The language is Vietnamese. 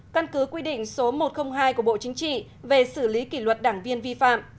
căn cứ quy định số một trăm linh hai của bộ chính trị về xử lý kỷ luật đảng viên vi phạm